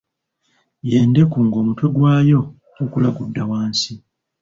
Ye ndeku ng'omutwe gwayo gukula gudda wansi.